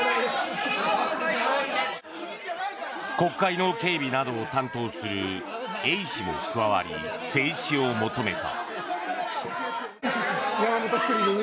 国会の警備などを担当する衛視も加わり、制止を求めた。